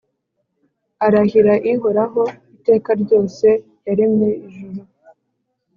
arahira Ihoraho iteka ryose yaremye ijuru